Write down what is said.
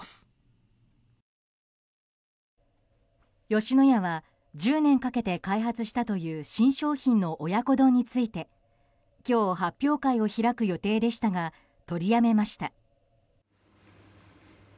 吉野家は１０年かけて開発したという新商品の親子丼について今日、発表会を開く予定でしたが取りやめました。